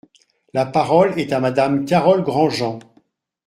La parole est à Madame Carole Grandjean.